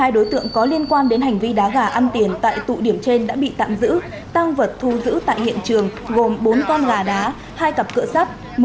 một mươi đối tượng có liên quan đến hành vi đá gà ăn tiền tại tụ điểm trên đã bị tạm giữ tăng vật thu giữ tại hiện trường gồm bốn con gà đá hai cặp cửa sắt